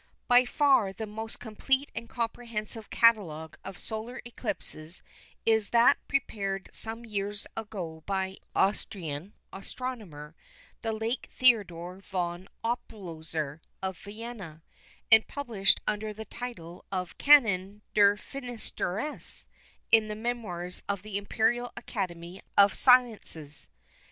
By far the most complete and comprehensive catalogue of solar eclipses is that prepared some years ago by an Austrian astronomer, the late Theodore Von Oppolzer of Vienna, and published under the title of Canon der Finsternisse, in the Memoirs of the Imperial Academy of Sciences.